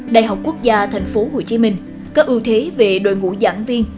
đại học quốc gia tp hcm có ưu thế về đội ngũ giảng viên